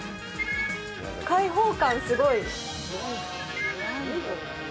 開放感、すごい。